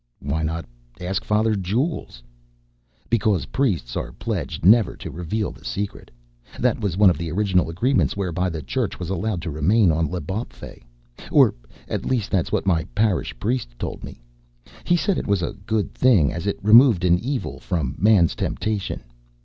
"Why not ask Father Jules?" "Because priests are pledged never to reveal the secret. That was one of the original agreements whereby the Church was allowed to remain on L'Bawpfey. Or, at least that's what my parish priest told me. He said it was a good thing, as it removed an evil from man's temptation.